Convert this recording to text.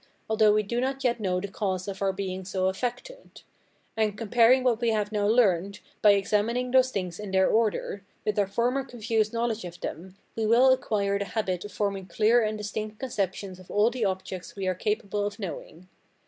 although we do not yet know the cause of our being so affected; and, comparing what we have now learne'd, by examining those things in their order, with our former confused knowledge of them, we will acquire the habit of forming clear and distinct conceptions of all the objects we are capable of knowing.